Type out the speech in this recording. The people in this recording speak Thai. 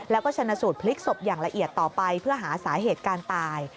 แล้วก็ชนะสูตรพลิกศพอย่างละเอียดต่อไปเพื่อหาสาเหตุการตาย